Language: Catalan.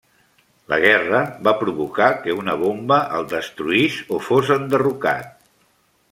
La guerra va provocar que una bomba el destruís o fos enderrocat.